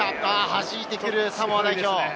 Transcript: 弾いてくるサモア代表。